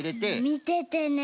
みててね。